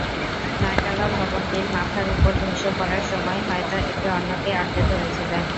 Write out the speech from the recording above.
নয়তলা ভবনটি মাথার ওপর ধসে পড়ার সময় হয়তো একে অন্যকে আঁকড়ে ধরেছিলেন।